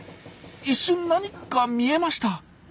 一瞬何か見えました。